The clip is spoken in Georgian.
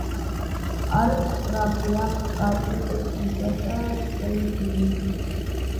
არის სწრაფი, აქვს კარგი ტექნიკა და დრიბლინგი.